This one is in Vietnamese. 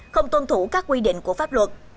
không tuân thủ các quy định của pháp luật